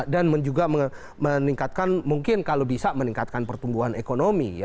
dan juga meningkatkan mungkin kalau bisa pertumbuhan ekonomi